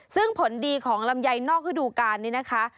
ซึ่งผลดีของลำไยนอกฤดูการนี้นะคะ